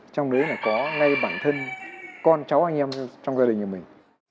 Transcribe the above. trong đấy là có ngay bản thân con cháu anh em trong gia đình nhà mình